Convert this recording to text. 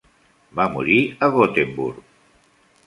Va morir a Gothenburg.